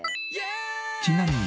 ちなみに。